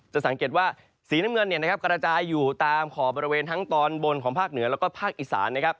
จะสังเกตว่าสีน้ำเงินกระจายอยู่ตามขอบบริเวณทั้งตอนบนของภาคเหนือแล้วก็ภาคอีสานนะครับ